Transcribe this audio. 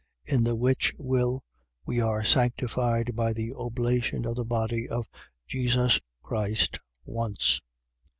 10:10. In the which will, we are sanctified by the oblation of the body of Jesus Christ once.